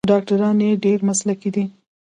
ډاکټران یې ډیر مسلکي دي.